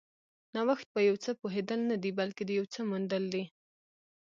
نوښت په یو څه پوهېدل نه دي، بلکې د یو څه موندل دي.